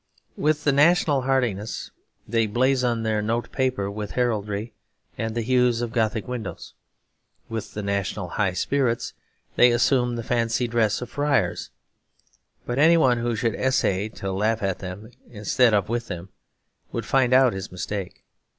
With the national heartiness they blazon their note paper with heraldry and the hues of Gothic windows; with the national high spirits they assume the fancy dress of friars; but any one who should essay to laugh at them instead of with them would find out his mistake.